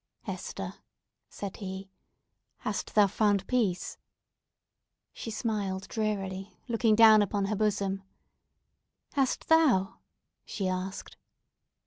"Hester," said he, "hast thou found peace?" She smiled drearily, looking down upon her bosom. "Hast thou?" she asked.